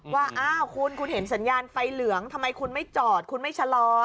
ว่าอ้าวคุณคุณเห็นสัญญาณไฟเหลืองทำไมคุณไม่จอดคุณไม่ชะลอ